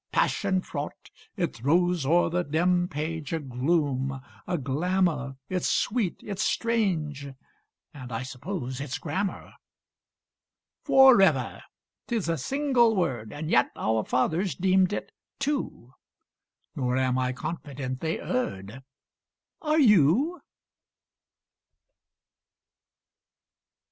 passion fraught, it throws O'er the dim page a gloom, a glamour: It's sweet, it's strange; and I suppose It's grammar. Forever! 'Tis a single word! And yet our fathers deemed it two: Nor am I confident they erred; Are you?